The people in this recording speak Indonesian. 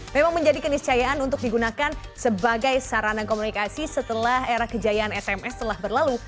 memang menjadi keniscayaan untuk digunakan sebagai sarana komunikasi setelah era kejayaan sms telah berlalu